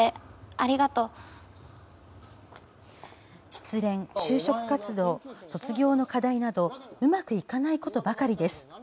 失恋、就職活動卒業の課題などうまくいかないことばかりです。